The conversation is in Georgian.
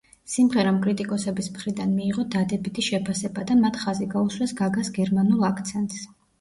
სიმღერამ კრიტიკოსების მხრიდან მიიღო დადებითი შეფასება და მათ ხაზი გაუსვევს გაგას გერმანულ აქცენტს.